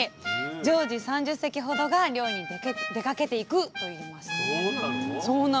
常時３０隻ほどが漁に出かけていくといいます。